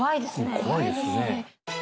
怖いですね